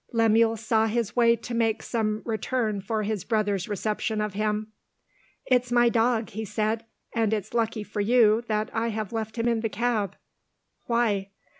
Lemuel saw his way to making some return for his brother's reception of him. "It's my dog," he said; "and it's lucky for you that I have left him in the cab." "Why?"